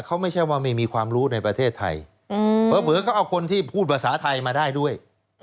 เขาไม่ใช่ว่าไม่มีความรู้ในประเทศไทยเผลอเขาเอาคนที่พูดภาษาไทยมาได้ด้วย